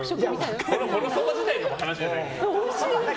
もりそば自体の話じゃないです。